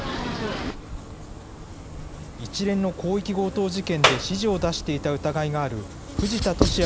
一連の広域強盗事件で指示を出していた疑いがある藤田聖也